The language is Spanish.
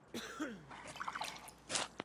Sin embargo, Christopher Nolan y Warner Bros.